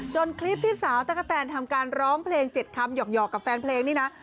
คลิปที่สาวตะกะแตนทำการร้องเพลง๗คำหยอกกับแฟนเพลงนี่นะ